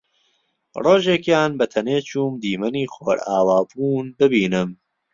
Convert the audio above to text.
ڕۆژێکیان بەتەنێ چووم دیمەنی خۆرئاوابوون ببینم